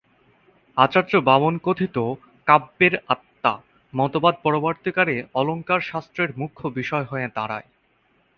আচার্য বামন কথিত ‘কাব্যের আত্মা’ মতবাদ পরবর্তীকালে অলঙ্কারশাস্ত্রের মুখ্য বিষয় হয়ে দাঁড়ায়।